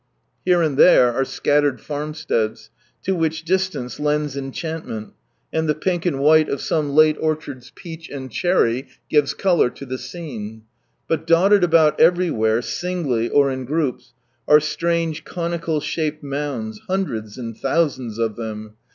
Here and there, are scattered farmsteads, to which distance lends enchantment, and the pink and while of some late orchard's peach and cherry gives colour lo the scene. But doited about everywhere, singly or in groups, are strange conical shaped mounds, hundreds and thousands of them.